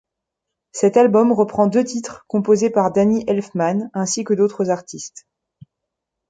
Cet album reprend deux titres composés par Danny Elfman ainsi que d'autres artistes.